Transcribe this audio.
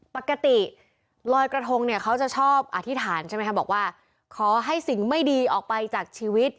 ปกติลอยกระทงเนี่ยเขาจะชอบอธิษฐานใช่ไหมคะบอกว่าขอให้สิ่งไม่ดีออกไปจากชีวิต